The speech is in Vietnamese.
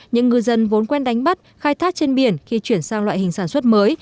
những ngư dân vốn quen đánh bắt khai thác trên biển khi chuyển sang loại hình sản xuất mới